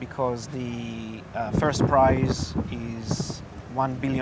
karena harga pertama adalah